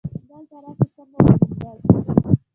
دلته راشه څه مې وموندل.